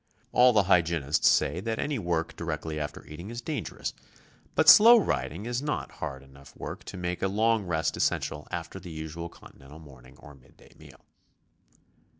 All the hygienists say that any work direct ly after eating is dangerous, but slow riding is not hard enough work to make a long rest essential after the usual Continental morning or mid day meal.